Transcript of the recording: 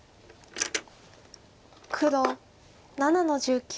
黒７の十九。